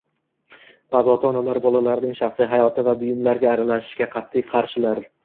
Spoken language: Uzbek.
Ba’zi ota-onalar bolalarning shaxsiy hayoti va buyumlariga aralashishga qat’iy qarshilar.